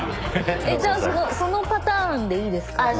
えっじゃあそのパターンでいいですか？